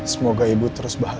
semoga ibu terus bahagia